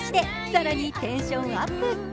更にテンションアップ。